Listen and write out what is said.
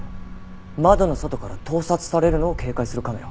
窓の外から盗撮されるのを警戒するカメラ。